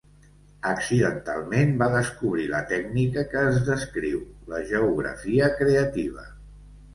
Accidentalment va descobrir la tècnica que es descriu: la geografia creativa.